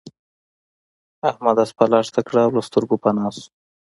احمد اسپه لښته کړه او له سترګو پنا شو.